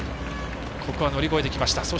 ここは乗り越えてきました。